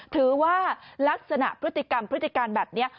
ถือว่าลักษณะพฤติกรรมพฤติการแบบนี้